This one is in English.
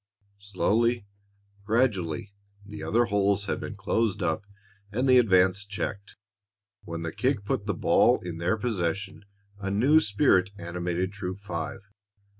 Slowly, gradually, the other holes had been closed up and the advance checked. When the kick put the ball in their possession, a new spirit animated Troop Five.